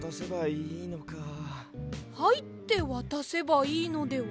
「はい」ってわたせばいいのでは？